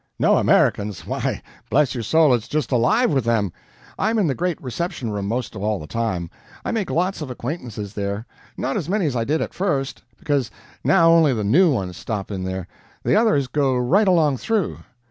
"No Americans! Why, bless your soul, it's just alive with them! I'm in the great reception room most all the time. I make lots of acquaintances there. Not as many as I did at first, because now only the new ones stop in there the others go right along through.